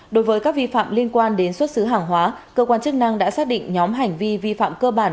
đối với các vi phạm liên quan đến xuất xứ hàng hóa cơ quan chức năng đã xác định nhóm hành vi vi phạm cơ bản